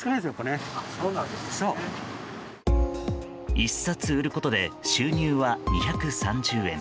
１冊売ることで収入は２３０円。